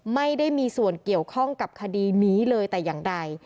ไม่ได้มีส่วนเกี่ยวข้องกับคดีนี้เลยแต่อย่างใด